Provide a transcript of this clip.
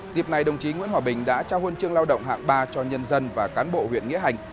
dịp này đồng chí nguyễn hòa bình đã trao huân chương lao động hạng ba cho nhân dân và cán bộ huyện nghĩa hành